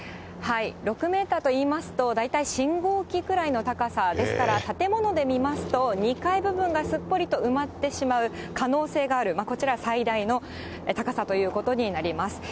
６メーターといいますと、大体信号機くらいの高さですから、建物で見ますと、２階部分がすっぽりと埋まってしまう可能性がある、こちら最大の高さということになります。